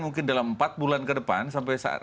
mungkin dalam empat bulan ke depan sampai saat